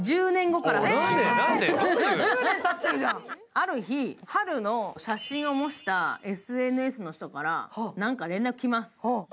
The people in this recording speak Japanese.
ある日、ハルの写真を模したＳＮＳの人から、何か連絡来ます。